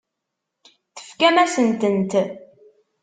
Tefkam-asent-tent.